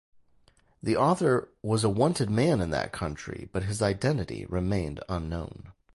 The author was a wanted man in that country, but his identity remained unknown.